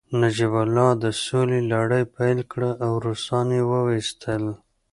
نجیب الله د سولې لړۍ پیل کړه او روسان يې وويستل